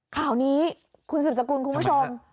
ข่าวนี้คุณสืบสกุลคุณผู้ชม